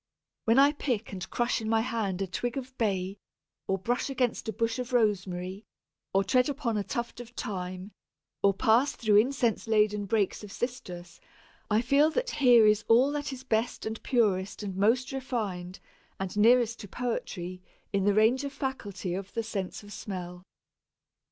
When I pick and crush in my hand a twig of Bay, or brush against a bush of Rosemary, or tread upon a tuft of Thyme, or pass through incense laden brakes of Cistus, I feel that here is all that is best and purest and most refined, and nearest to poetry, in the range of faculty of the sense of smell.